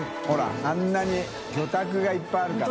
曚あんなに魚拓がいっぱいあるから。